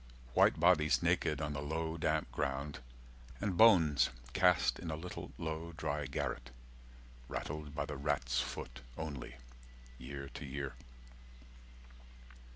White bodies naked on the low damp ground And bones cast in a little low dry garret, Rattled by the rat's foot only, year to year.